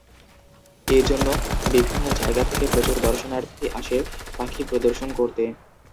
এইজন্য বিভিন্ন জায়গা থেকে প্রচুর দর্শনার্থী আসে পাখি প্রদর্শন করতে।